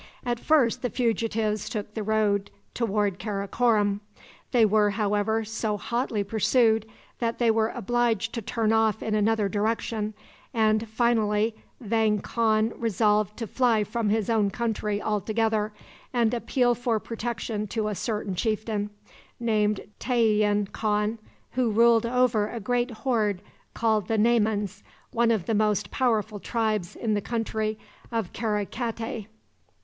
At first the fugitives took the road toward Karakorom. They were, however, so hotly pursued that they were obliged to turn off in another direction, and, finally, Vang Khan resolved to fly from his own country altogether, and appeal for protection to a certain chieftain, named Tayian Khan, who ruled over a great horde called the Naymans, one of the most powerful tribes in the country of Karakatay.